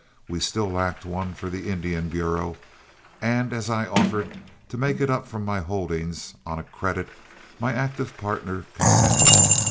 We still lacked one for the Indian Bureau, and as I offered to make it up from my holdings, and on a credit, my active partner consented.